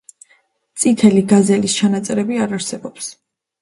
წითელი გაზელის ჩანაწერები არ არსებობს.